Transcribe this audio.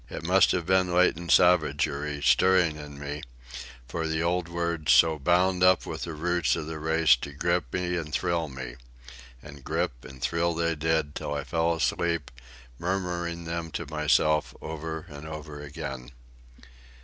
It must have been latent savagery stirring in me, for the old words, so bound up with the roots of the race, to grip me and thrill me. And grip and thrill they did, till I fell asleep, murmuring them to myself over and over again.